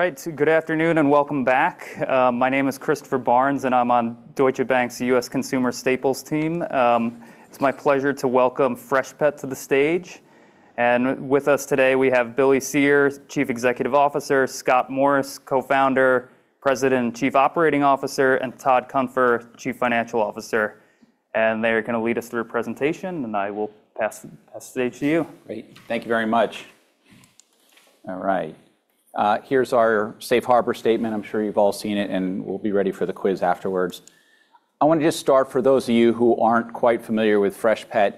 All right, good afternoon and welcome back. My name is Christopher Barnes, and I'm on Deutsche Bank's U.S. Consumer Staples team. It's my pleasure to welcome Freshpet to the stage. With us today, we have Billy Cyr, Chief Executive Officer, Scott Morris, Co-founder, President, and Chief Operating Officer, and Todd Cunfer, Chief Financial Officer. They're gonna lead us through a presentation, and I will pass the stage to you. Great. Thank you very much. All right. Here's our Safe Harbor Statement. I'm sure you've all seen it, and we'll be ready for the quiz afterwards. I want to just start, for those of you who aren't quite familiar with Freshpet,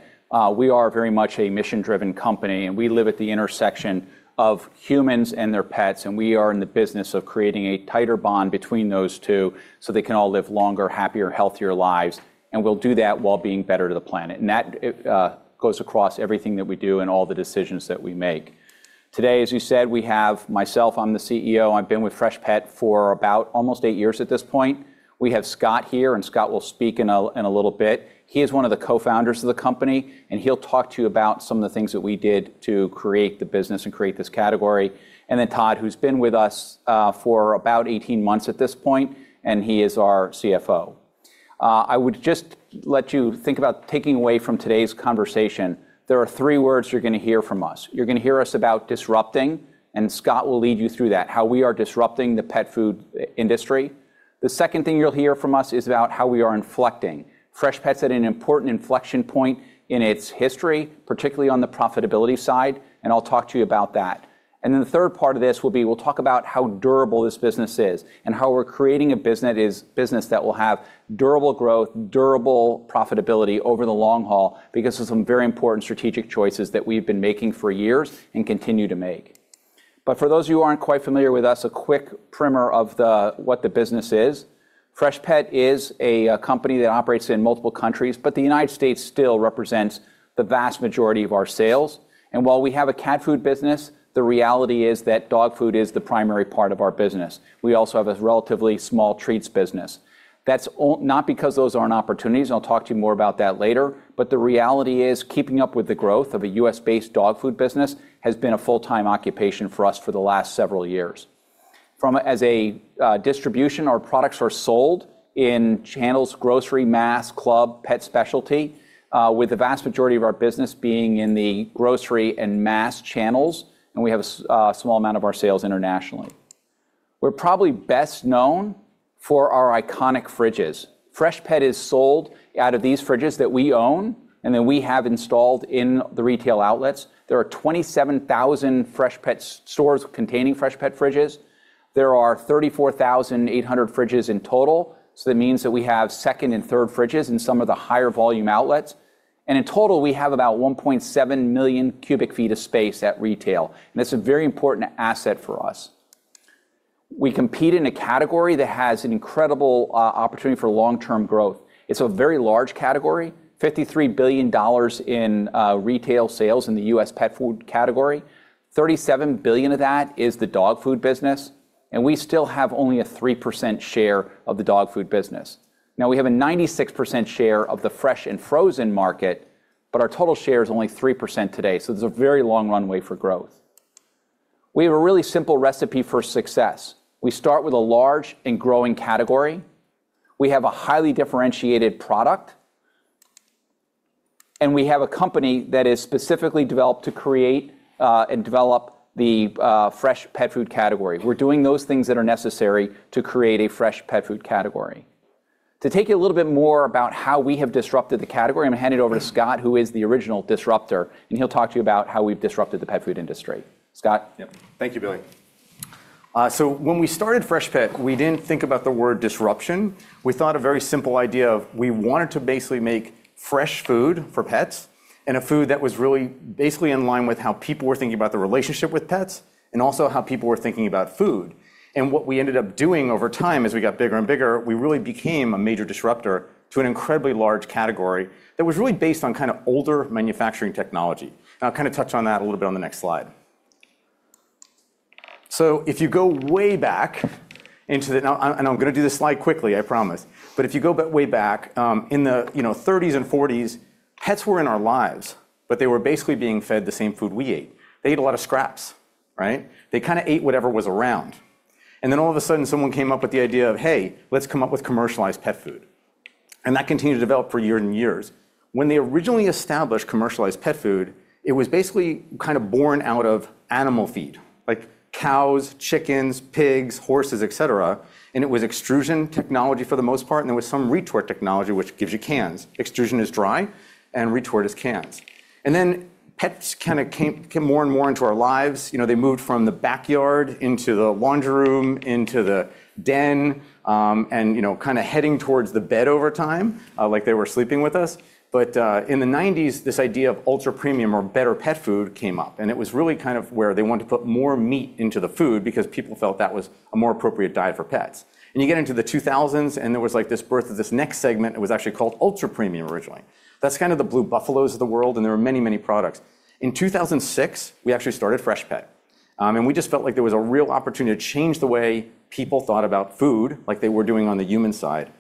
we are very much a mission-driven company, and we live at the intersection of humans and their pets, and we are in the business of creating a tighter bond between those two so they can all live longer, happier, healthier lives. And we'll do that while being better to the planet. And that goes across everything that we do and all the decisions that we make. Today, as you said, we have myself, I'm the CEO. I've been with Freshpet for about almost eight years at this point. We have Scott here, and Scott will speak in a little bit. He is one of the co-founders of the company, and he'll talk to you about some of the things that we did to create the business and create this category. And then Todd, who's been with us, for about 18 months at this point, and he is our CFO. I would just let you think about taking away from today's conversation, there are three words you're gonna hear from us. You're gonna hear us about disrupting, and Scott will lead you through that, how we are disrupting the pet food industry. The second thing you'll hear from us is about how we are inflecting. Freshpet's at an important inflection point in its history, particularly on the profitability side, and I'll talk to you about that. And then the third part of this will be, we'll talk about how durable this business is and how we're creating a business that will have durable growth, durable profitability over the long haul because of some very important strategic choices that we've been making for years and continue to make. But for those of you who aren't quite familiar with us, a quick primer of what the business is. Freshpet is a company that operates in multiple countries, but the United States still represents the vast majority of our sales. And while we have a cat food business, the reality is that dog food is the primary part of our business. We also have a relatively small treats business. Not because those aren't opportunities, and I'll talk to you more about that later, but the reality is, keeping up with the growth of a U.S.-based dog food business has been a full-time occupation for us for the last several years. From a distribution, our products are sold in channels, grocery, mass, club, pet specialty, with the vast majority of our business being in the grocery and mass channels, and we have a small amount of our sales internationally. We're probably best known for our iconic fridges. Freshpet is sold out of these fridges that we own and that we have installed in the retail outlets. There are 27,000 Freshpet stores containing Freshpet fridges. There are 34,800 fridges in total, so that means that we have second and third fridges in some of the higher volume outlets. In total, we have about 1.7 million cu ft of space at retail, and that's a very important asset for us. We compete in a category that has an incredible opportunity for long-term growth. It's a very large category, $53 billion in retail sales in the U.S. pet food category. $37 billion of that is the dog food business, and we still have only a 3% share of the dog food business. Now, we have a 96% share of the fresh and frozen market, but our total share is only 3% today, so there's a very long runway for growth. We have a really simple recipe for success. We start with a large and growing category. We have a highly differentiated product, and we have a company that is specifically developed to create, and develop the, fresh pet food category. We're doing those things that are necessary to create a fresh pet food category. To take you a little bit more about how we have disrupted the category, I'm gonna hand it over to Scott, who is the original disruptor, and he'll talk to you about how we've disrupted the pet food industry. Scott? Yep. Thank you, Billy. So when we started Freshpet, we didn't think about the word disruption. We thought a very simple idea of we wanted to basically make fresh food for pets and a food that was really basically in line with how people were thinking about their relationship with pets and also how people were thinking about food. And what we ended up doing over time, as we got bigger and bigger, we really became a major disruptor to an incredibly large category that was really based on kind of older manufacturing technology. And I'll kind of touch on that a little bit on the next slide. So if you go way back into the now, I'm gonna do this slide quickly, I promise. But if you go way back, in the, you know, thirties and forties, pets were in our lives, but they were basically being fed the same food we ate. They ate a lot of scraps, right? They kinda ate whatever was around. And then all of a sudden, someone came up with the idea of, "Hey, let's come up with commercialized pet food." And that continued to develop for years and years. When they originally established commercialized pet food, it was basically kind of born out of animal feed, like cows, chickens, pigs, horses, et cetera, and it was extrusion technology for the most part, and there was some retort technology, which gives you cans. Extrusion is dry, and retort is cans. And then pets kinda came, came more and more into our lives. You know, they moved from the backyard into the laundry room, into the den, and, you know, kinda heading towards the bed over time, like they were sleeping with us. But, in the 1990s, this idea of ultra-premium or better pet food came up, and it was really kind of where they wanted to put more meat into the food because people felt that was a more appropriate diet for pets. And you get into the 2000s, and there was, like, this birth of this next segment. It was actually called ultra-premium originally. That's kind of the Blue Buffalo of the world, and there were many, many products. In 2006, we actually started Freshpet, and we just felt like there was a real opportunity to change the way people thought about food, like they were doing on the human side.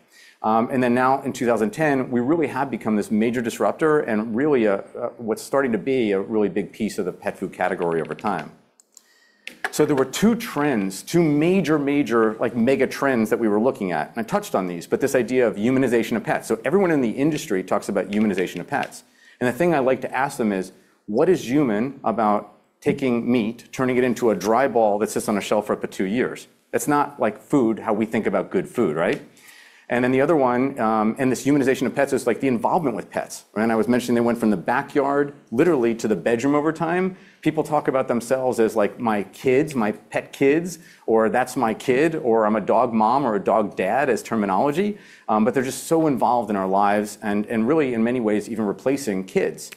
And then now in 2010, we really have become this major disruptor and really a what's starting to be a really big piece of the pet food category over time. So there were two trends, two major, major, like mega trends that we were looking at, and I touched on these, but this idea of humanization of pets. So everyone in the industry talks about humanization of pets, and the thing I like to ask them is: What is human about taking meat, turning it into a dry ball that sits on a shelf for up to two years? That's not like food, how we think about good food, right? And then the other one, and this humanization of pets is like the involvement with pets, right? And I was mentioning they went from the backyard literally to the bedroom over time. People talk about themselves as like, "My kids, my pet kids," or, "That's my kid," or, "I'm a dog mom or a dog dad," as terminology. But they're just so involved in our lives and really in many ways even replacing kids.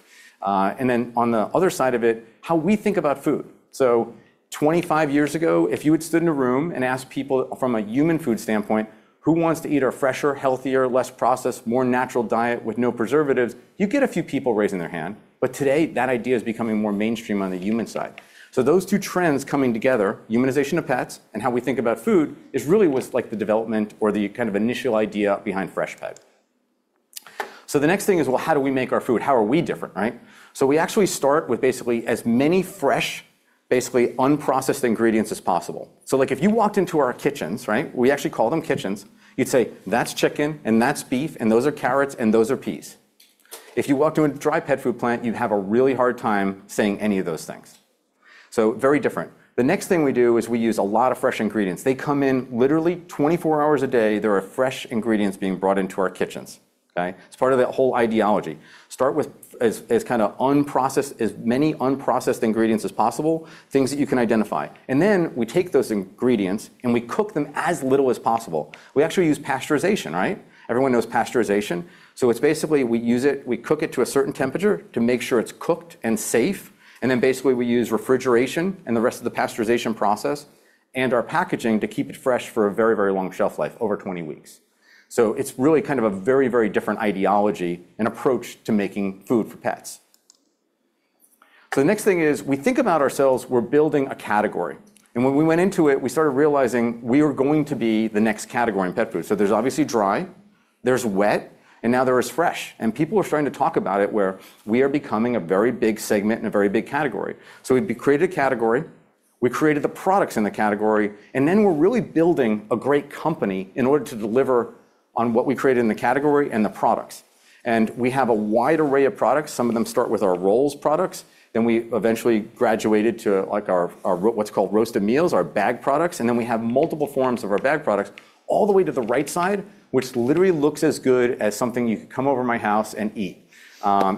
And then on the other side of it, how we think about food. So 25 years ago, if you had stood in a room and asked people from a human food standpoint, "Who wants to eat a fresher, healthier, less processed, more natural diet with no preservatives?" You'd get a few people raising their hand. But today, that idea is becoming more mainstream on the human side. So those two trends coming together, humanization of pets and how we think about food, is really what's like the development or the kind of initial idea behind Freshpet. So the next thing is, well, how do we make our food? How are we different, right? So we actually start with basically as many fresh, basically unprocessed ingredients as possible. So, like, if you walked into our kitchens, right? We actually call them kitchens. You'd say, "That's chicken, and that's beef, and those are carrots, and those are peas." If you walk through a dry pet food plant, you'd have a really hard time saying any of those things. So very different. The next thing we do is we use a lot of fresh ingredients. They come in literally 24 hours a day. There are fresh ingredients being brought into our kitchens, okay? It's part of that whole ideology. Start with as kinda unprocessed, as many unprocessed ingredients as possible, things that you can identify. Then we take those ingredients, and we cook them as little as possible. We actually use pasteurization, right? Everyone knows pasteurization. So it's basically we use it, we cook it to a certain temperature to make sure it's cooked and safe, and then basically, we use refrigeration and the rest of the pasteurization process and our packaging to keep it fresh for a very, very long shelf life, over 20 weeks. So it's really kind of a very, very different ideology and approach to making food for pets. So the next thing is, we think about ourselves, we're building a category, and when we went into it, we started realizing we were going to be the next category in pet food. So there's obviously dry, there's wet, and now there is fresh, and people are starting to talk about it, where we are becoming a very big segment and a very big category. So we've created a category, we created the products in the category, and then we're really building a great company in order to deliver on what we created in the category and the products. And we have a wide array of products. Some of them start with our rolls products. Then we eventually graduated to, like, our roasted meals, our bag products, and then we have multiple forms of our bag products all the way to the right side, which literally looks as good as something you could come over my house and eat.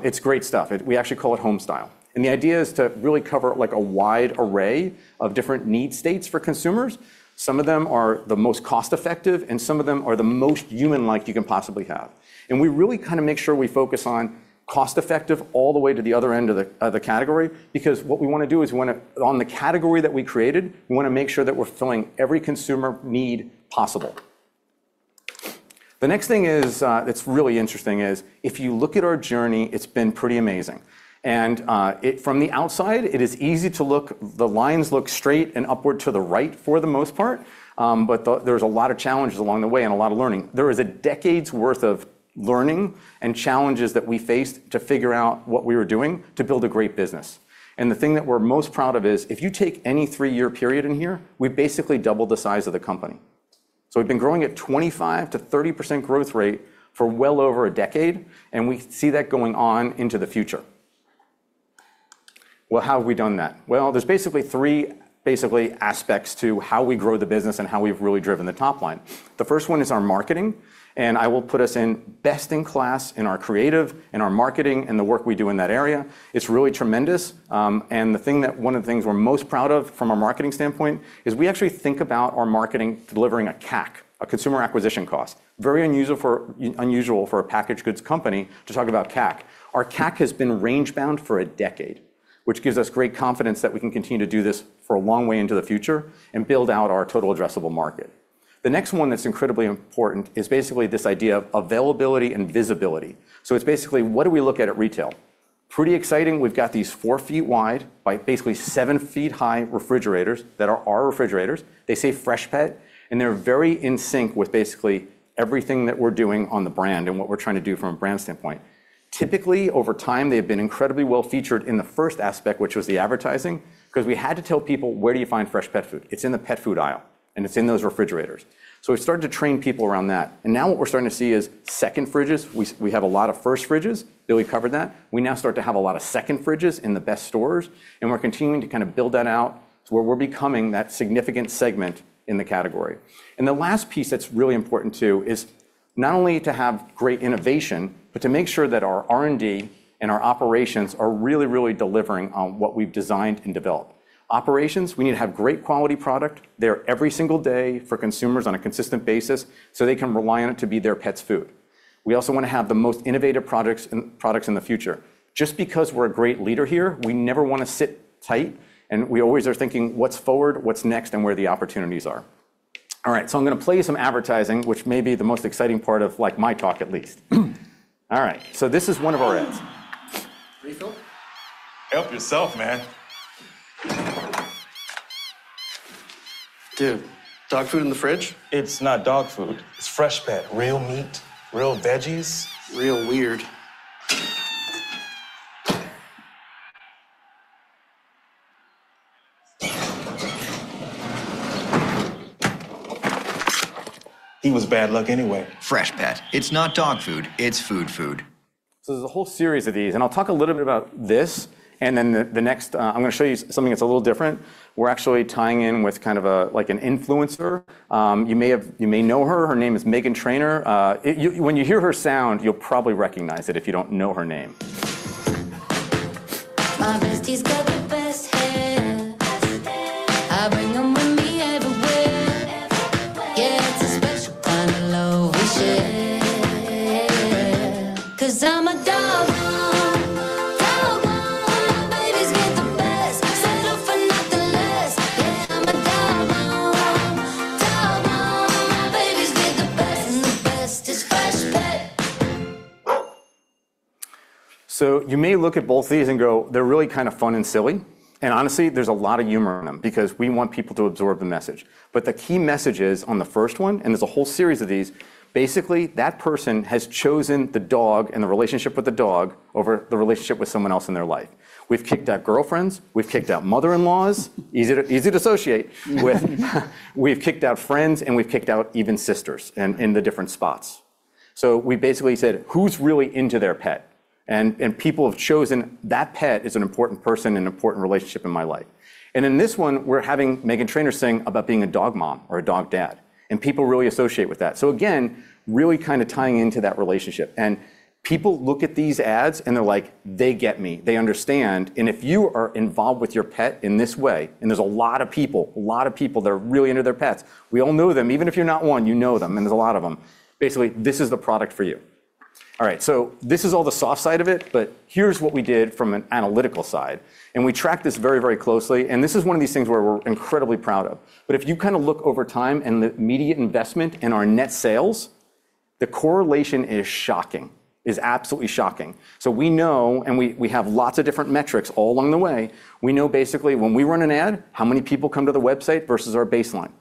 It's great stuff. We actually call it Homestyle. The idea is to really cover, like, a wide array of different need states for consumers. Some of them are the most cost-effective, and some of them are the most human-like you can possibly have. We really kind of make sure we focus on cost-effective all the way to the other end of the, of the category, because what we wanna do is we wanna, on the category that we created, we wanna make sure that we're filling every consumer need possible. The next thing is that's really interesting is if you look at our journey, it's been pretty amazing. From the outside, it is easy to look, the lines look straight and upward to the right for the most part, but there's a lot of challenges along the way and a lot of learning. There is a decade's worth of learning and challenges that we faced to figure out what we were doing to build a great business. And the thing that we're most proud of is, if you take any three-year period in here, we've basically doubled the size of the company. So we've been growing at 25%-30% growth rate for well over a decade, and we see that going on into the future. Well, how have we done that? Well, there's basically three, basically aspects to how we grow the business and how we've really driven the top line. The first one is our marketing, and I will put us in best-in-class in our creative, in our marketing, and the work we do in that area. It's really tremendous, and one of the things we're most proud of from a marketing standpoint is we actually think about our marketing delivering a CAC, a consumer acquisition cost. Very unusual for a packaged goods company to talk about CAC. Our CAC has been range-bound for a decade, which gives us great confidence that we can continue to do this for a long way into the future and build out our total addressable market. The next one that's incredibly important is basically this idea of availability and visibility. So it's basically, what do we look at at retail? Pretty exciting. We've got these 4 ft wide by basically 7 ft high refrigerators that are our refrigerators. They say Freshpet, and they're very in sync with basically everything that we're doing on the brand and what we're trying to do from a brand standpoint. Typically, over time, they've been incredibly well featured in the first aspect, which was the advertising, 'cause we had to tell people, "Where do you find fresh pet food? It's in the pet food aisle, and it's in those refrigerators." So we started to train people around that, and now what we're starting to see is second fridges. We have a lot of first fridges that we've covered that. We now start to have a lot of second fridges in the best stores, and we're continuing to kind of build that out to where we're becoming that significant segment in the category. The last piece that's really important, too, is not only to have great innovation but to make sure that our R&D and our operations are really, really delivering on what we've designed and developed. Operations, we need to have great quality product there every single day for consumers on a consistent basis, so they can rely on it to be their pet's food. We also want to have the most innovative products in the future. Just because we're a great leader here, we never want to sit tight, and we always are thinking, "What's forward, what's next, and where the opportunities are?" All right, so I'm gonna play you some advertising, which may be the most exciting part of, like, my talk at least. All right, so this is one of our ads. Refill? Help yourself, man. Dude, dog food in the fridge? It's not dog food. It's Freshpet. Real meat, real veggies. Real weird. ... He was bad luck anyway. Freshpet: It's not dog food, it's food food. So there's a whole series of these, and I'll talk a little bit about this, and then the next, I'm gonna show you something that's a little different. We're actually tying in with kind of a, like an influencer. You may have-- you may know her. Her name is Meghan Trainor. You-- when you hear her sound, you'll probably recognize it if you don't know her name. My besties got the best hair, best hair. I bring them with me everywhere, everywhere. Yeah, it's a special kind of love we share. 'Cause I'm a dog mom, dog mom. My babies get the best, settle for nothing less. Yeah, I'm a dog mom, dog mom. My babies get the best, and the best is Freshpet. So you may look at both these and go, "They're really kind of fun and silly." And honestly, there's a lot of humor in them because we want people to absorb the message. But the key message is, on the first one, and there's a whole series of these, basically, that person has chosen the dog and the relationship with the dog over the relationship with someone else in their life. We've kicked out girlfriends, we've kicked out mothers-in-law. Easy to associate with. We've kicked out friends, and we've kicked out even sisters in the different spots. So we basically said, "Who's really into their pet?" And people have chosen, "That pet is an important person and an important relationship in my life." And in this one, we're having Meghan Trainor sing about being a dog mom or a dog dad, and people really associate with that. So again, really kind of tying into that relationship. And people look at these ads, and they're like, "They get me. They understand." And if you are involved with your pet in this way, and there's a lot of people, a lot of people that are really into their pets... We all know them. Even if you're not one, you know them, and there's a lot of them. Basically, this is the product for you. All right, so this is all the soft side of it, but here's what we did from an analytical side, and we tracked this very, very closely, and this is one of these things where we're incredibly proud of. But if you kind of look over time and the media investment and our net sales, the correlation is shocking. It is absolutely shocking. So we know, and we, we have lots of different metrics all along the way. We know basically, when we run an ad, how many people come to the website versus our baseline.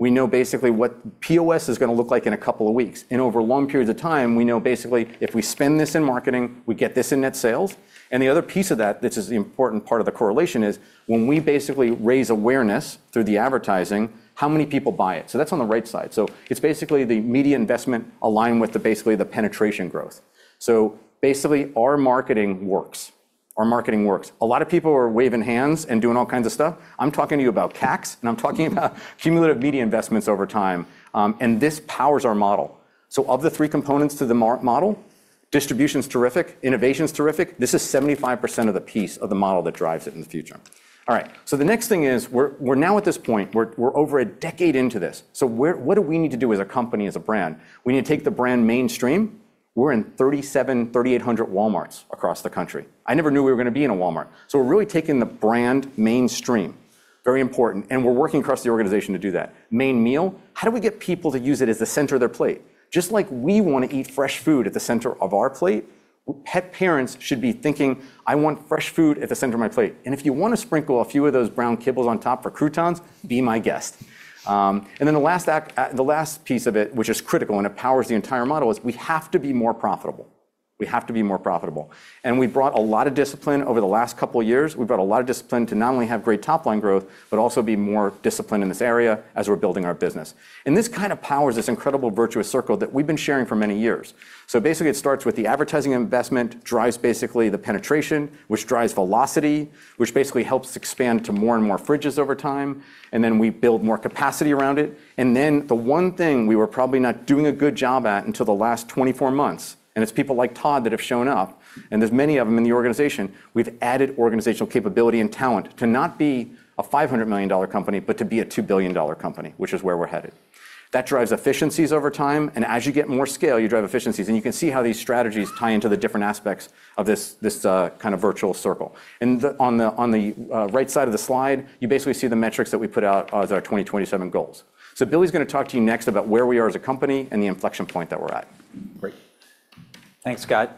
We know basically what POS is gonna look like in a couple of weeks. And over long periods of time, we know basically, if we spend this in marketing, we get this in net sales. And the other piece of that, this is the important part of the correlation, is when we basically raise awareness through the advertising, how many people buy it? So that's on the right side. So it's basically the media investment aligned with basically the penetration growth. So basically, our marketing works. Our marketing works. A lot of people are waving hands and doing all kinds of stuff. I'm talking to you about CACs, and I'm talking about cumulative media investments over time. And this powers our model. So of the three components to the model, distribution's terrific, innovation's terrific. This is 75% of the piece of the model that drives it in the future. All right, so the next thing is we're now at this point, we're over a decade into this. So what do we need to do as a company, as a brand? We need to take the brand mainstream. We're in 3,700-3,800 Walmarts across the country. I never knew we were gonna be in a Walmart. So we're really taking the brand mainstream. Very important, and we're working across the organization to do that. Main meal, how do we get people to use it as the center of their plate? Just like we want to eat fresh food at the center of our plate, pet parents should be thinking, "I want fresh food at the center of my plate." And if you want to sprinkle a few of those brown kibbles on top for croutons, be my guest. And then the last act, the last piece of it, which is critical, and it powers the entire model, is we have to be more profitable. We have to be more profitable. We've brought a lot of discipline over the last couple of years. We've brought a lot of discipline to not only have great top-line growth but also be more disciplined in this area as we're building our business. This kind of powers this incredible virtuous circle that we've been sharing for many years. So basically, it starts with the advertising investment, drives basically the penetration, which drives velocity, which basically helps us expand to more and more fridges over time, and then we build more capacity around it. And then the one thing we were probably not doing a good job at until the last 24 months, and it's people like Todd that have shown up, and there's many of them in the organization, we've added organizational capability and talent to not be a $500 million company, but to be a $2 billion company, which is where we're headed. That drives efficiencies over time, and as you get more scale, you drive efficiencies. And you can see how these strategies tie into the different aspects of this kind of virtual circle. And on the right side of the slide, you basically see the metrics that we put out as our 2027 goals. So Billy's gonna talk to you next about where we are as a company and the inflection point that we're at. Great. Thanks, Scott.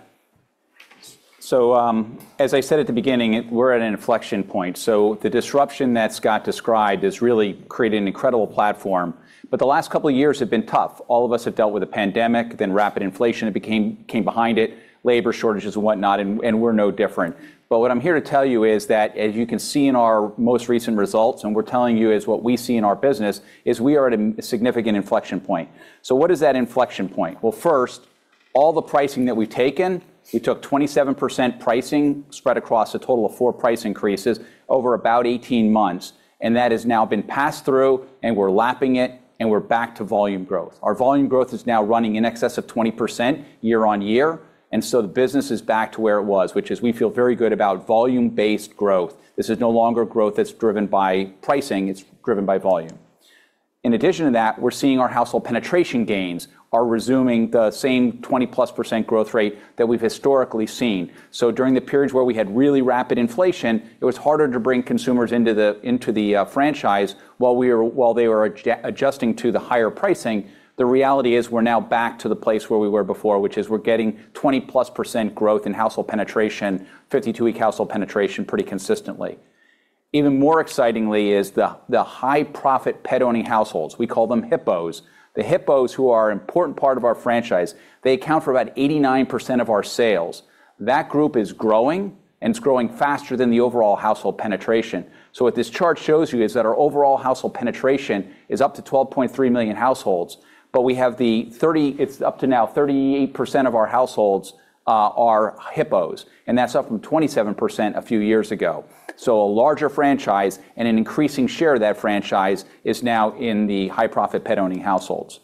So, as I said at the beginning, we're at an inflection point, so the disruption that Scott described has really created an incredible platform. But the last couple of years have been tough. All of us have dealt with the pandemic, then rapid inflation came behind it, labor shortages and whatnot, and we're no different. But what I'm here to tell you is that, as you can see in our most recent results, and we're telling you, is what we see in our business, is we are at a significant inflection point. So what is that inflection point? Well, first, all the pricing that we've taken, we took 27% pricing spread across a total of four price increases over about 18 months, and that has now been passed through, and we're lapping it, and we're back to volume growth. Our volume growth is now running in excess of 20% year-on-year, and so the business is back to where it was, which is we feel very good about volume-based growth. This is no longer growth that's driven by pricing; it's driven by volume. In addition to that, we're seeing our household penetration gains are resuming the same 20+% growth rate that we've historically seen. So during the periods where we had really rapid inflation, it was harder to bring consumers into the franchise while they were adjusting to the higher pricing. The reality is, we're now back to the place where we were before, which is we're getting 20+% growth in household penetration, 52-week household penetration, pretty consistently.... Even more excitingly is the high-profit pet-owning households. We call them HiPPOs. The HiPPOs, who are an important part of our franchise, they account for about 89% of our sales. That group is growing, and it's growing faster than the overall household penetration. So what this chart shows you is that our overall household penetration is up to 12.3 million households, but it's up to now 38% of our households are HiPPOs, and that's up from 27% a few years ago. So a larger franchise and an increasing share of that franchise is now in the high-profit pet-owning households.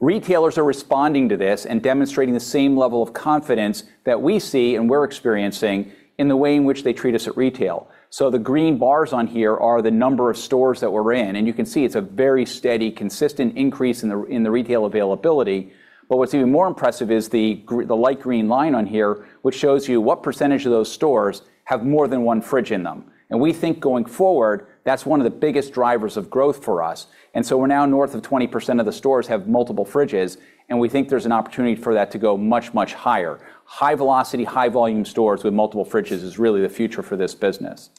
Retailers are responding to this and demonstrating the same level of confidence that we see and we're experiencing in the way in which they treat us at retail. So the green bars on here are the number of stores that we're in, and you can see it's a very steady, consistent increase in the retail availability. But what's even more impressive is the light green line on here, which shows you what percentage of those stores have more than one fridge in them. And we think going forward, that's one of the biggest drivers of growth for us, and so we're now north of 20% of the stores have multiple fridges, and we think there's an opportunity for that to go much, much higher. High-velocity, high-volume stores with multiple fridges is really the future for this business.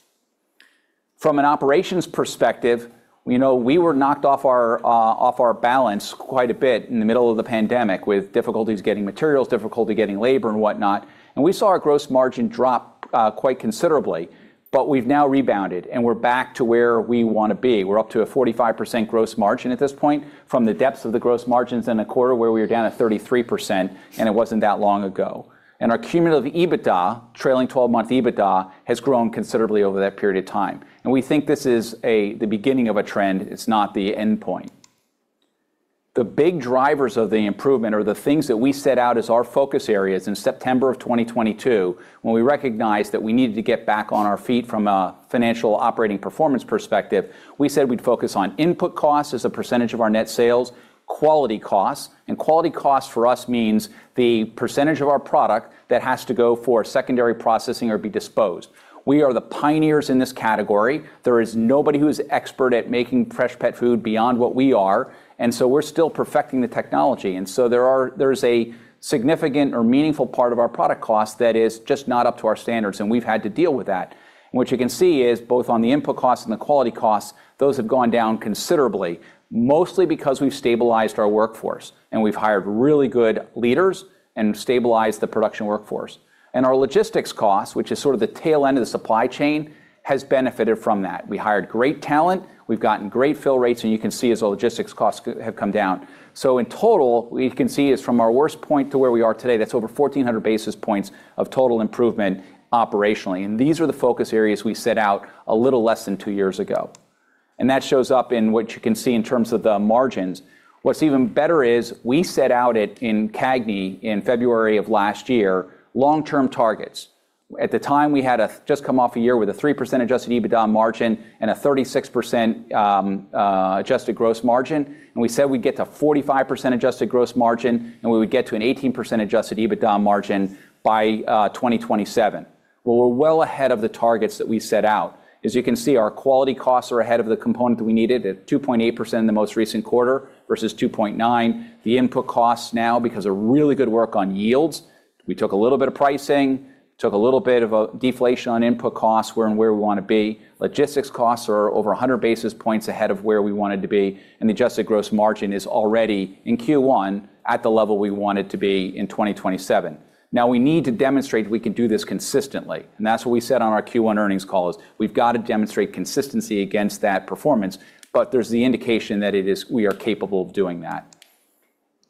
From an operations perspective, you know, we were knocked off our off our balance quite a bit in the middle of the pandemic, with difficulties getting materials, difficulty getting labor and whatnot, and we saw our gross margin drop quite considerably. But we've now rebounded, and we're back to where we want to be. We're up to a 45% gross margin at this point from the depths of the gross margins in a quarter where we were down to 33%, and it wasn't that long ago. And our cumulative EBITDA, trailing 12-month EBITDA, has grown considerably over that period of time, and we think this is a the beginning of a trend. It's not the endpoint. The big drivers of the improvement are the things that we set out as our focus areas in September 2022, when we recognized that we needed to get back on our feet from a financial operating performance perspective. We said we'd focus on input costs as a percentage of our net sales, quality costs, and quality costs for us means the percentage of our product that has to go for secondary processing or be disposed. We are the pioneers in this category. There is nobody who is expert at making fresh pet food beyond what we are, and so we're still perfecting the technology. And so there is a significant or meaningful part of our product cost that is just not up to our standards, and we've had to deal with that. What you can see is, both on the input costs and the quality costs, those have gone down considerably, mostly because we've stabilized our workforce, and we've hired really good leaders and stabilized the production workforce. Our logistics cost, which is sort of the tail end of the supply chain, has benefited from that. We hired great talent. We've gotten great fill rates, and you can see, as our logistics costs have come down. So in total, what you can see is from our worst point to where we are today, that's over 1,400 basis points of total improvement operationally, and these were the focus areas we set out a little less than two years ago. That shows up in what you can see in terms of the margins. What's even better is we set out, at CAGNY in February of last year, long-term targets. At the time, we had just come off a year with a 3% adjusted EBITDA margin and a 36%, adjusted gross margin, and we said we'd get to 45% adjusted gross margin, and we would get to an 18% adjusted EBITDA margin by 2027. Well, we're well ahead of the targets that we set out. As you can see, our quality costs are ahead of the component that we needed at 2.8% in the most recent quarter versus 2.9. The input costs now, because of really good work on yields, we took a little bit of pricing, took a little bit of a deflation on input costs. We're in where we want to be. Logistics costs are over 100 basis points ahead of where we wanted to be, and the adjusted gross margin is already, in Q1, at the level we want it to be in 2027. Now, we need to demonstrate we can do this consistently, and that's what we said on our Q1 earnings call, is we've got to demonstrate consistency against that performance, but there's the indication that it is... we are capable of doing that.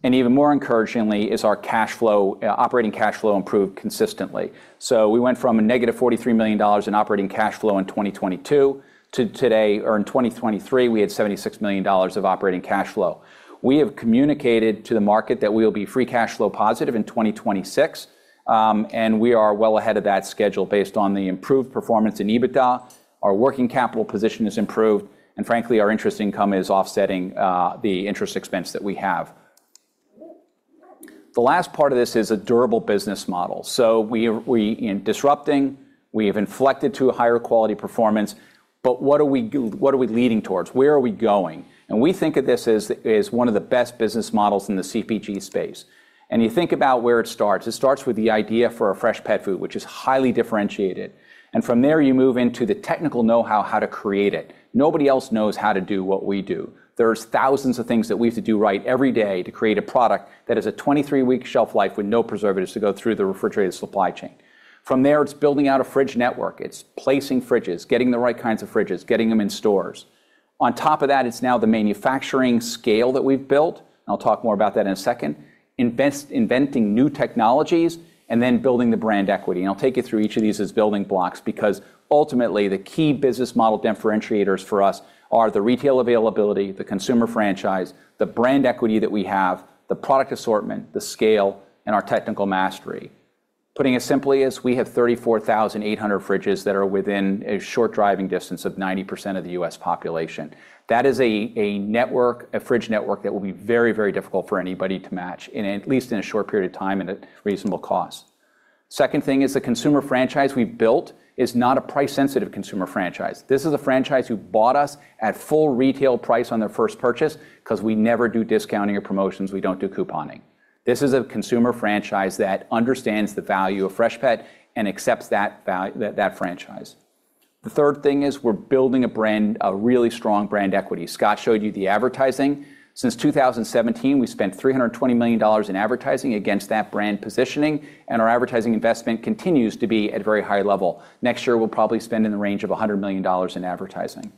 And even more encouragingly is our cash flow, operating cash flow improved consistently. So we went from a negative $43 million in operating cash flow in 2022 to today, or in 2023, we had $76 million of operating cash flow. We have communicated to the market that we will be Free Cash Flow positive in 2026, and we are well ahead of that schedule based on the improved performance in EBITDA. Our working capital position has improved, and frankly, our interest income is offsetting the interest expense that we have. The last part of this is a durable business model. So we are in disrupting, we have inflected to a higher quality performance. But what are we leading towards? Where are we going? And we think of this as one of the best business models in the CPG space. You think about where it starts. It starts with the idea for a fresh pet food, which is highly differentiated, and from there, you move into the technical know-how, how to create it. Nobody else knows how to do what we do. There's thousands of things that we have to do right every day to create a product that has a 23-week shelf life with no preservatives to go through the refrigerated supply chain. From there, it's building out a fridge network. It's placing fridges, getting the right kinds of fridges, getting them in stores. On top of that, it's now the manufacturing scale that we've built, and I'll talk more about that in a second. Inventing new technologies and then building the brand equity, and I'll take you through each of these as building blocks because ultimately, the key business model differentiators for us are the retail availability, the consumer franchise, the brand equity that we have, the product assortment, the scale, and our technical mastery. Putting it simply is we have 34,800 fridges that are within a short driving distance of 90% of the U.S. population. That is a, a network, a fridge network that will be very, very difficult for anybody to match in at least in a short period of time and at reasonable cost. Second thing is the consumer franchise we built is not a price-sensitive consumer franchise. This is a franchise who bought us at full retail price on their first purchase because we never do discounting or promotions. We don't do couponing.... This is a consumer franchise that understands the value of Freshpet and accepts that val- that, that franchise. The third thing is we're building a brand, a really strong brand equity. Scott showed you the advertising. Since 2017, we spent $320 million in advertising against that brand positioning, and our advertising investment continues to be at very high level. Next year, we'll probably spend in the range of $100 million in advertising.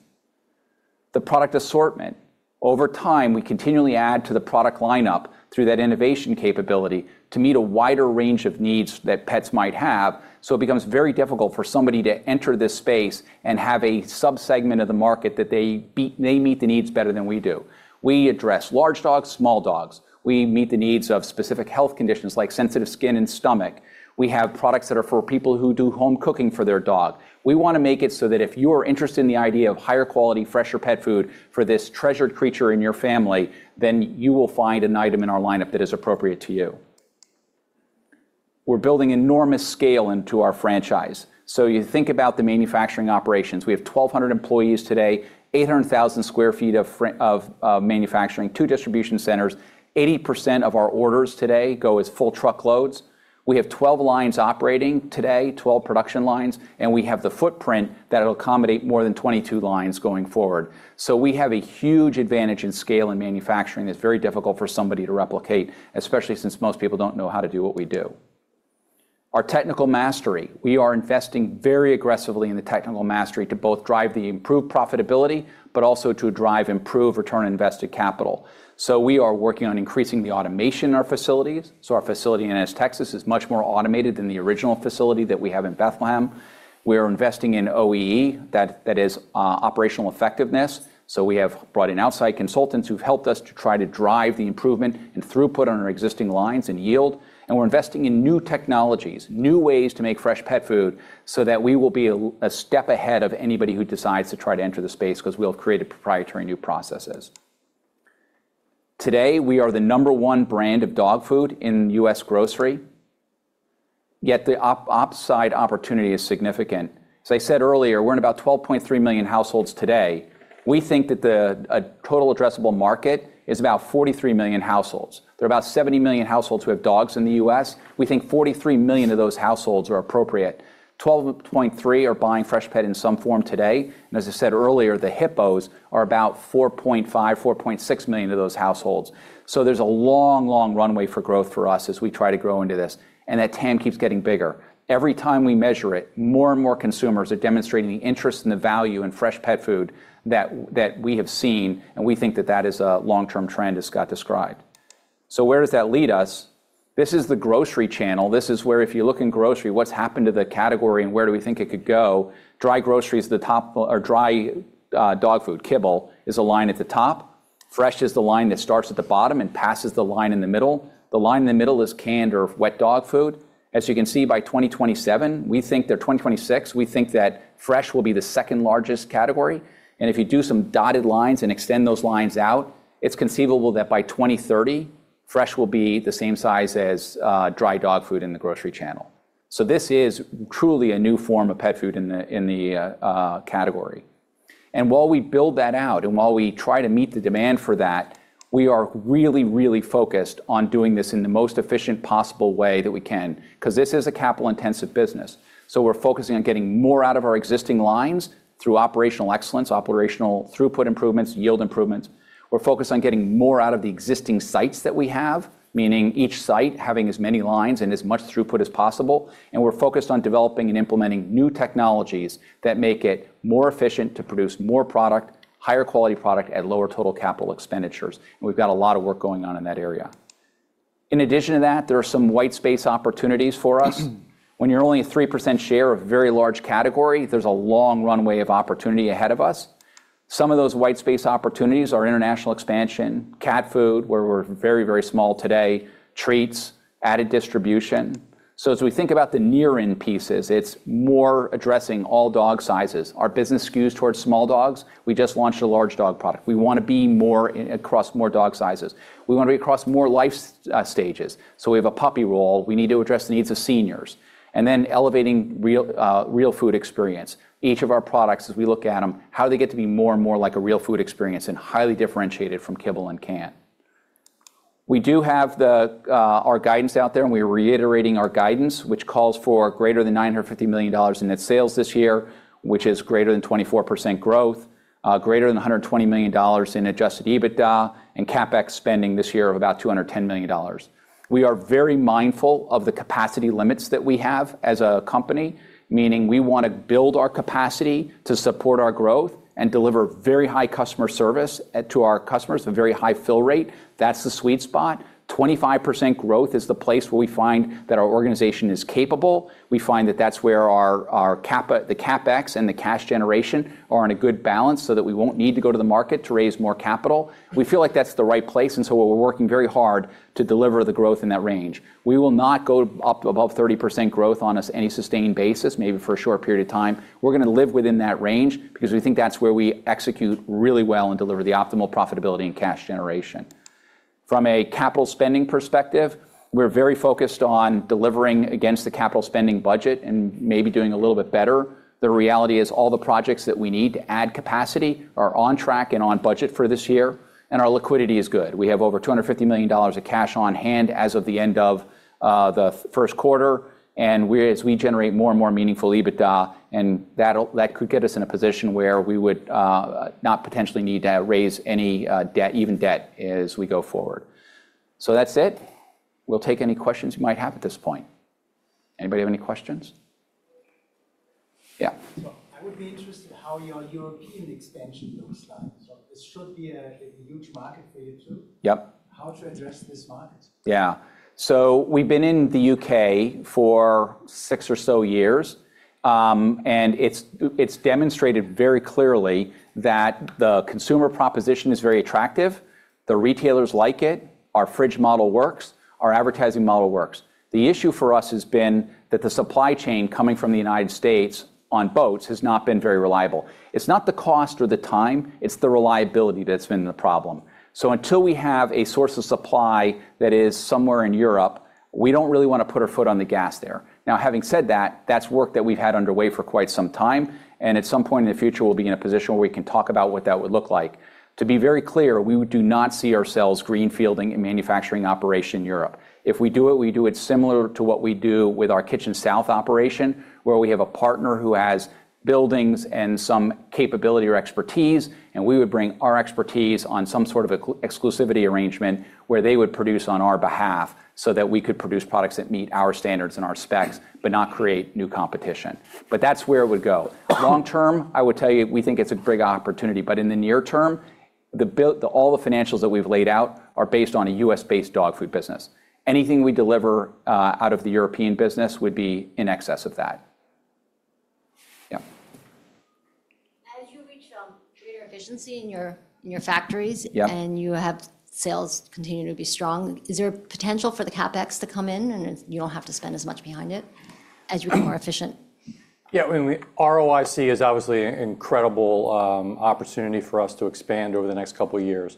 The product assortment. Over time, we continually add to the product lineup through that innovation capability to meet a wider range of needs that pets might have, so it becomes very difficult for somebody to enter this space and have a subsegment of the market that they meet the needs better than we do. We address large dogs, small dogs. We meet the needs of specific health conditions like sensitive skin and stomach. We have products that are for people who do home cooking for their dog. We wanna make it so that if you are interested in the idea of higher quality, fresher pet food for this treasured creature in your family, then you will find an item in our lineup that is appropriate to you. We're building enormous scale into our franchise. So you think about the manufacturing operations. We have 1,200 employees today, 800,000 sq ft of manufacturing, two distribution centers. 80% of our orders today go as full truckloads. We have 12 lines operating today, 12 production lines, and we have the footprint that'll accommodate more than 22 lines going forward. So we have a huge advantage in scale and manufacturing that's very difficult for somebody to replicate, especially since most people don't know how to do what we do. Our technical mastery. We are investing very aggressively in the technical mastery to both drive the improved profitability but also to drive improved return on invested capital. So we are working on increasing the automation in our facilities, so our facility in Ennis, Texas, is much more automated than the original facility that we have in Bethlehem. We are investing in OEE, that is, operational effectiveness, so we have brought in outside consultants who've helped us to try to drive the improvement and throughput on our existing lines and yield, and we're investing in new technologies, new ways to make fresh pet food so that we will be a step ahead of anybody who decides to try to enter the space 'cause we'll have created proprietary new processes. Today, we are the number one brand of dog food in U.S. grocery, yet the upside opportunity is significant. As I said earlier, we're in about 12.3 million households today. We think that the total addressable market is about 43 million households. There are about 70 million households who have dogs in the U.S. We think 43 million of those households are appropriate. 12.3 are buying Freshpet in some form today, and as I said earlier, the HiPPOs are about 4.5, 4.6 million of those households. So there's a long, long runway for growth for us as we try to grow into this, and that TAM keeps getting bigger. Every time we measure it, more and more consumers are demonstrating the interest and the value in fresh pet food that, that we have seen, and we think that that is a long-term trend, as Scott described. So where does that lead us? This is the grocery channel. This is where if you look in grocery, what's happened to the category and where do we think it could go. Dry grocery is the top, or dry, dog food, kibble, is a line at the top. Fresh is the line that starts at the bottom and passes the line in the middle. The line in the middle is canned or wet dog food. As you can see, by 2027, we think that, or 2026, we think that fresh will be the second largest category, and if you do some dotted lines and extend those lines out, it's conceivable that by 2030, fresh will be the same size as, dry dog food in the grocery channel. So this is truly a new form of pet food in the, in the, category. And while we build that out and while we try to meet the demand for that, we are really, really focused on doing this in the most efficient possible way that we can, 'cause this is a capital-intensive business. So we're focusing on getting more out of our existing lines through operational excellence, operational throughput improvements, yield improvements. We're focused on getting more out of the existing sites that we have, meaning each site having as many lines and as much throughput as possible, and we're focused on developing and implementing new technologies that make it more efficient to produce more product, higher quality product at lower total capital expenditures, and we've got a lot of work going on in that area. In addition to that, there are some white space opportunities for us. When you're only a 3% share of a very large category, there's a long runway of opportunity ahead of us. Some of those white space opportunities are international expansion, cat food, where we're very, very small today, treats, added distribution. So as we think about the near-in pieces, it's more addressing all dog sizes. Our business skews towards small dogs. We just launched a large dog product. We wanna be more across more dog sizes. We wanna be across more life stages, so we have a puppy roll. We need to address the needs of seniors. And then elevating real, real food experience. Each of our products, as we look at them, how they get to be more and more like a real food experience and highly differentiated from kibble and can. We do have our guidance out there, and we're reiterating our guidance, which calls for greater than $950 million in net sales this year, which is greater than 24% growth, greater than $120 million in adjusted EBITDA, and CapEx spending this year of about $210 million. We are very mindful of the capacity limits that we have as a company, meaning we wanna build our capacity to support our growth and deliver very high customer service to our customers, a very high fill rate. That's the sweet spot. 25% growth is the place where we find that our organization is capable. We find that that's where our CapEx and the cash generation are in a good balance so that we won't need to go to the market to raise more capital. We feel like that's the right place, and so we're working very hard to deliver the growth in that range. We will not go up above 30% growth on any sustained basis, maybe for a short period of time. We're gonna live within that range because we think that's where we execute really well and deliver the optimal profitability and cash generation. From a capital spending perspective, we're very focused on delivering against the capital spending budget and maybe doing a little bit better. The reality is all the projects that we need to add capacity are on track and on budget for this year, and our liquidity is good. We have over $250 million of cash on hand as of the end of the first quarter, and as we generate more and more meaningful EBITDA, and that could get us in a position where we would not potentially need to raise any debt, even debt, as we go forward. So that's it. We'll take any questions you might have at this point. Anybody have any questions? Yeah. I would be interested how your European expansion looks like. This should be a huge market for you, too. Yep. How to address this market? Yeah. So we've been in the U.K. for six or so years, and it's demonstrated very clearly that the consumer proposition is very attractive, the retailers like it, our fridge model works, our advertising model works. The issue for us has been that the supply chain coming from the United States on boats has not been very reliable. It's not the cost or the time, it's the reliability that's been the problem. So until we have a source of supply that is somewhere in Europe, we don't really wanna put our foot on the gas there. Now, having said that, that's work that we've had underway for quite some time, and at some point in the future, we'll be in a position where we can talk about what that would look like. To be very clear, we do not see ourselves greenfielding a manufacturing operation in Europe. If we do it, we do it similar to what we do with our Kitchen South operation, where we have a partner who has buildings and some capability or expertise, and we would bring our expertise on some sort of exclusivity arrangement where they would produce on our behalf so that we could produce products that meet our standards and our specs, but not create new competition. But that's where it would go. Long term, I would tell you, we think it's a big opportunity, but in the near term, all the financials that we've laid out are based on a U.S.-based dog food business. Anything we deliver out of the European business would be in excess of that. Yeah. As you reach greater efficiency in your factories- Yeah... and you have sales continuing to be strong, is there potential for the CapEx to come in, and you don't have to spend as much behind it as you become more efficient? Yeah, ROIC is obviously an incredible opportunity for us to expand over the next couple of years.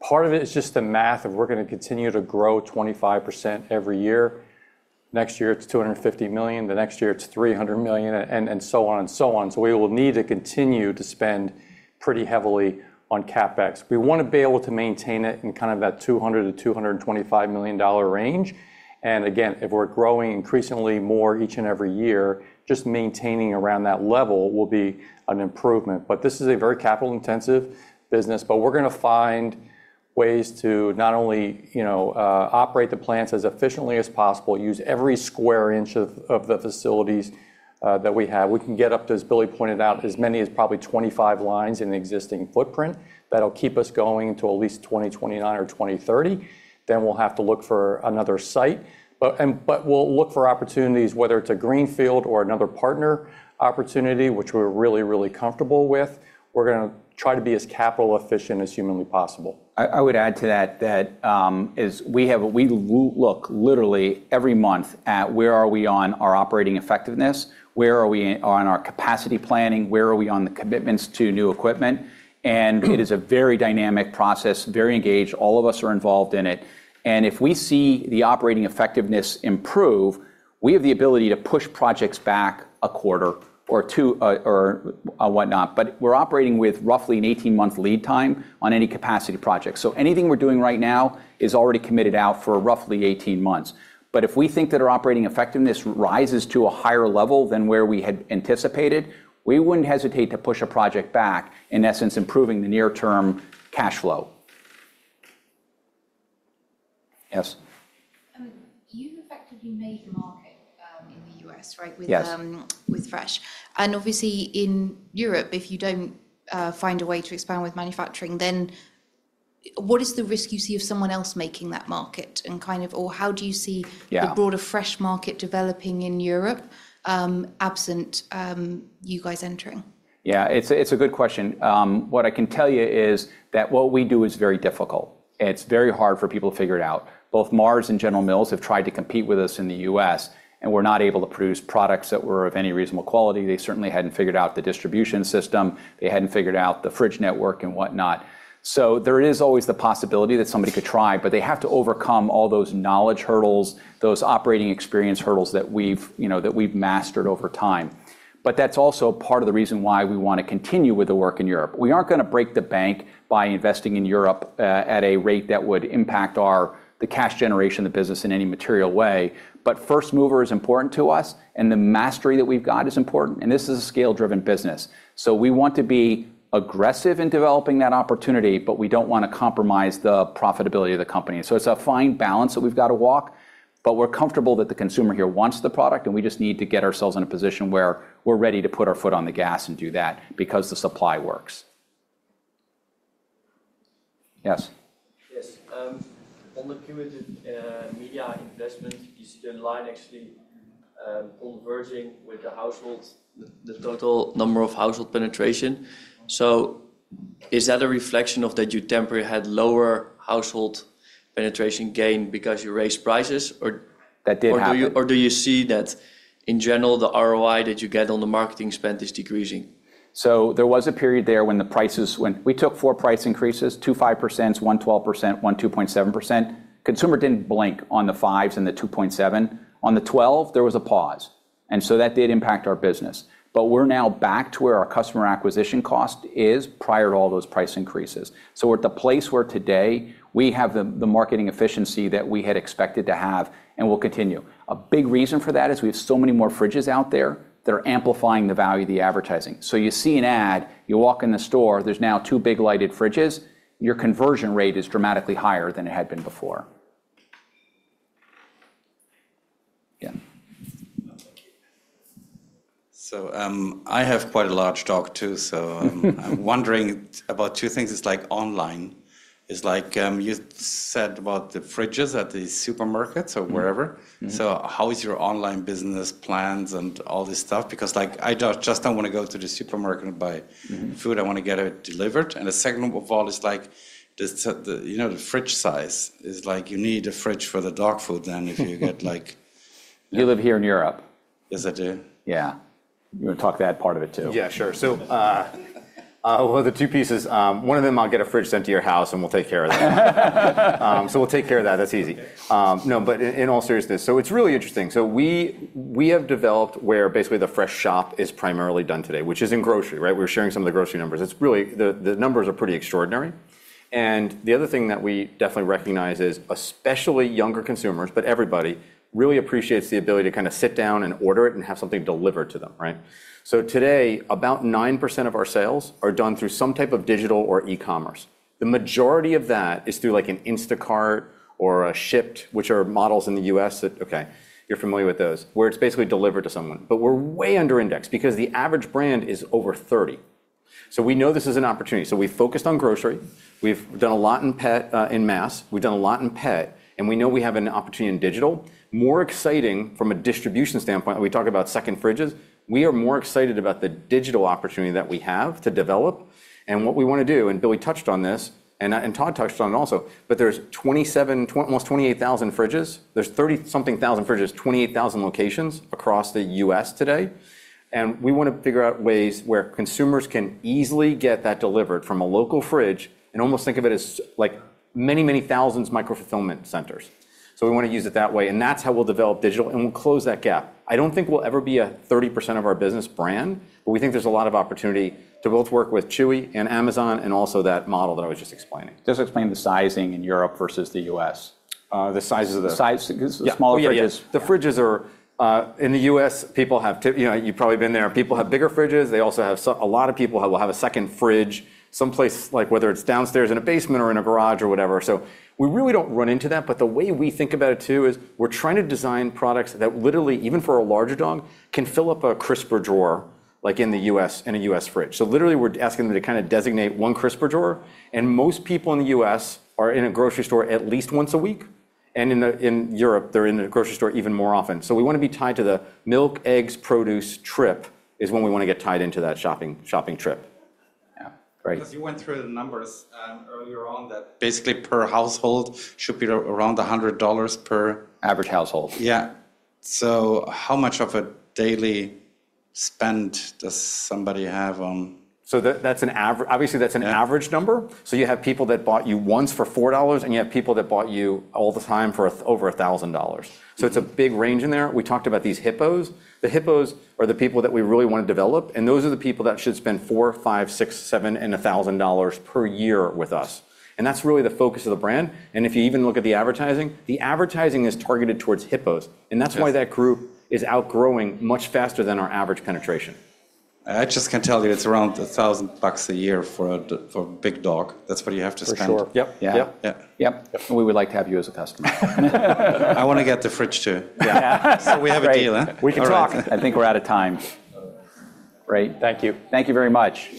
Part of it is just the math of we're gonna continue to grow 25% every year. Next year, it's $250 million, the next year it's $300 million, and so on and so on. So we will need to continue to spend pretty heavily on CapEx. We wanna be able to maintain it in kind of that $200 million-$225 million range, and again, if we're growing increasingly more each and every year, just maintaining around that level will be an improvement. But this is a very capital-intensive business, but we're gonna find ways to not only, you know, operate the plants as efficiently as possible, use every square inch of the facilities that we have. We can get up to, as Billy pointed out, as many as probably 25 lines in the existing footprint. That'll keep us going till at least 2029 or 2030. Then we'll have to look for another site. But but we'll look for opportunities, whether it's a greenfield or another partner opportunity, which we're really, really comfortable with. We're gonna try to be as capital efficient as humanly possible. I would add to that, that is, we look literally every month at where are we on our operating effectiveness, where are we in on our capacity planning, where are we on the commitments to new equipment? And it is a very dynamic process, very engaged, all of us are involved in it. And if we see the operating effectiveness improve, we have the ability to push projects back a quarter or two, or whatnot. But we're operating with roughly an 18-month lead time on any capacity project. So anything we're doing right now is already committed out for roughly 18 months. But if we think that our operating effectiveness rises to a higher level than where we had anticipated, we wouldn't hesitate to push a project back, in essence, improving the near-term cash flow. Yes. You've effectively made the market in the U.S., right? Yes. With fresh. And obviously in Europe, if you don't find a way to expand with manufacturing, then what is the risk you see of someone else making that market and kind of... Or how do you see- Yeah... the broader fresh market developing in Europe, absent, you guys entering? Yeah, it's a, it's a good question. What I can tell you is that what we do is very difficult. It's very hard for people to figure it out. Both Mars and General Mills have tried to compete with us in the U.S., and were not able to produce products that were of any reasonable quality. They certainly hadn't figured out the distribution system, they hadn't figured out the fridge network and whatnot. So there is always the possibility that somebody could try, but they have to overcome all those knowledge hurdles, those operating experience hurdles that we've, you know, that we've mastered over time. But that's also part of the reason why we wanna continue with the work in Europe. We aren't gonna break the bank by investing in Europe at a rate that would impact our, the cash generation of the business in any material way. But first mover is important to us, and the mastery that we've got is important, and this is a scale-driven business. So we want to be aggressive in developing that opportunity, but we don't wanna compromise the profitability of the company. So it's a fine balance that we've got to walk, but we're comfortable that the consumer here wants the product, and we just need to get ourselves in a position where we're ready to put our foot on the gas and do that because the supply works. Yes. Yes, on the cumulative media investment, you see the line actually converging with the households, the total number of household penetration. So is that a reflection of that you temporarily had lower household penetration gain because you raised prices, or do you see that in general, the ROI that you get on the marketing spend is decreasing? So there was a period there when the prices went-- We took four price increases, two 5%, one 12%, one 2.7%. Consumer didn't blink on the fives and the 2.7. On the twelve, there was a pause, and so that did impact our business. But we're now back to where our customer acquisition cost is prior to all those price increases. So we're at the place where today we have the, the marketing efficiency that we had expected to have, and we'll continue. A big reason for that is we have so many more fridges out there that are amplifying the value of the advertising. So you see an ad, you walk in the store, there's now two big lighted fridges. Your conversion rate is dramatically higher than it had been before. Yeah. So, I have quite a large dog, too. I'm wondering about two things. It's like online, it's like, you said about the fridges at the supermarkets or wherever. Mm-hmm, mm-hmm. So how is your online business plans and all this stuff? Because, like, just don't want to go to the supermarket and buy- Mm-hmm -food. I want to get it delivered. And the second of all is like, the, you know, the fridge size. Is like, you need a fridge for the dog food then—if you get like- You live here in Europe? Yes, I do. Yeah. You want to talk that part of it, too? Yeah, sure. So, well, the two pieces, one of them, I'll get a fridge sent to your house, and we'll take care of that. So we'll take care of that. That's easy. Okay. No, but in all seriousness, so it's really interesting. So we have developed where basically the fresh shop is primarily done today, which is in grocery, right? We're sharing some of the grocery numbers. It's really. The numbers are pretty extraordinary, and the other thing that we definitely recognize is especially younger consumers, but everybody really appreciates the ability to kind of sit down and order it and have something delivered to them, right? So today, about 9% of our sales are done through some type of digital or e-commerce. The majority of that is through, like, an Instacart or a Shipt, which are models in the U.S. that. Okay, you're familiar with those, where it's basically delivered to someone. But we're way under-indexed because the average brand is over 30. So we know this is an opportunity. So we focused on grocery. We've done a lot in pet in mass. We've done a lot in pet, and we know we have an opportunity in digital. More exciting from a distribution standpoint, we talked about second fridges, we are more excited about the digital opportunity that we have to develop and what we want to do, and Billy touched on this, and Todd touched on it also, but there's 27, almost 28,000 fridges. There's 30-something thousand fridges, 28,000 locations across the U.S. today, and we want to figure out ways where consumers can easily get that delivered from a local fridge and almost think of it as, like, many, many thousands micro-fulfillment centers. So we want to use it that way, and that's how we'll develop digital, and we'll close that gap. I don't think we'll ever be a 30% of our business brand, but we think there's a lot of opportunity to both work with Chewy and Amazon and also that model that I was just explaining. Just explain the sizing in Europe versus the US. The sizes of the Size. Yeah. The smaller fridges. Oh, yeah, yeah. Yeah. The fridges are in the U.S. You know, you've probably been there. People have bigger fridges. They also have a second fridge someplace, like whether it's downstairs in a basement or in a garage or whatever. So we really don't run into that, but the way we think about it, too, is we're trying to design products that literally, even for a larger dog, can fill up a crisper drawer, like in the U.S., in a U.S. fridge. So literally, we're asking them to kind of designate one crisper drawer, and most people in the U.S. are in a grocery store at least once a week, and in Europe, they're in a grocery store even more often. So we want to be tied to the milk, eggs, produce trip. That's when we want to get tied into that shopping trip. Yeah, great. Because you went through the numbers earlier on that basically per household should be around $100 per- Average household. Yeah. So how much of a daily spend does somebody have? Obviously, that's an average. Yeah So you have people that bought you once for $4, and you have people that bought you all the time for over $1,000. Mm-hmm. It's a big range in there. We talked about these HiPPOs. The HiPPOs are the people that we really want to develop, and those are the people that should spend $4, $5, $6, $7, and $1,000 per year with us, and that's really the focus of the brand, and if you even look at the advertising, the advertising is targeted towards HiPPOs- Yes... and that's why that group is outgrowing much faster than our average penetration. I just can tell you, it's around $1,000 a year for a, for a big dog. That's what you have to spend. For sure. Yep. Yeah. Yep. Yeah. Yep, and we would like to have you as a customer. I want to get the fridge, too. Yeah. So we have a deal, eh? We can talk. I think we're out of time. Great. Thank you. Thank you very much.